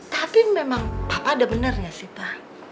tapi memang papa ada bener nggak sih pa